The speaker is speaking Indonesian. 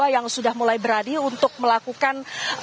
yang sudah mulai berani untuk melakukan